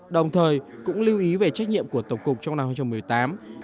đồng thời cũng lưu ý về trách nhiệm của tổng cục trong năm hai nghìn một mươi tám